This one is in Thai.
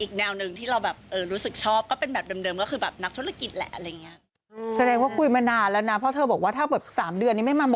อีกแนวนึงที่เรารู้สึกชอบก็เป็นแบบเดิม